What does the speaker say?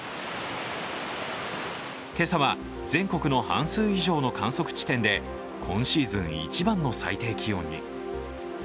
今朝は全国の半数以上の観測地点で今シーズン一番の最低気温に。